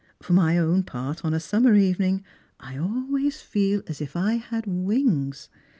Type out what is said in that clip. For my own part, on a summer evening I always feel as if I had wings."